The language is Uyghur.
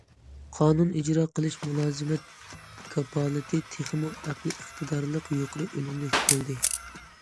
قانۇن ئىجرا قىلىش مۇلازىمەت كاپالىتى تېخىمۇ ئەقلىي ئىقتىدارلىق، يۇقىرى ئۈنۈملۈك بولدى.